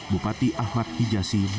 bupati ahmad hijasi